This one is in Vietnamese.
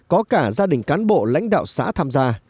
có cả gia đình cán bộ lãnh đạo xã tham gia